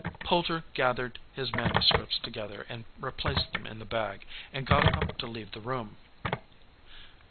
Poulter gathered his manuscripts together and replaced them in the bag, and got up to leave the room.